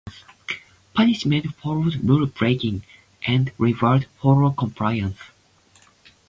Punishment followed rule-breaking and rewards followed compliance.